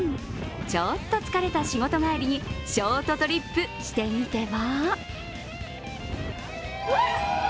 ちょっと疲れた仕事帰りに、ショートトリップしてみては？